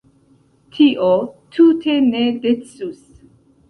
Tio tute ne decus.